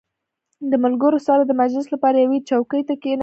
• د ملګرو سره د مجلس لپاره یوې چوکۍ ته کښېنه.